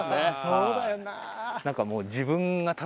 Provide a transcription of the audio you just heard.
そうだよな。